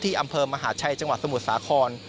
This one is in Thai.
อำเภอมหาชัยจังหวัดสมุทรสาคร